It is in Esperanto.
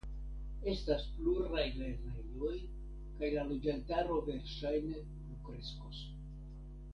Estas pluraj lernejoj kaj la loĝantaro verŝajne plukreskos.